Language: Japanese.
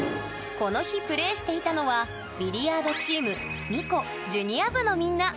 この日プレーしていたのはビリヤードチームのみんな。